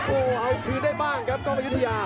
โอ้เอาคืนได้บ้างครับกองยุยา